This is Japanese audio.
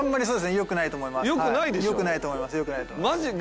良くないと思います。